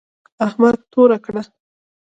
احمد توره کړه.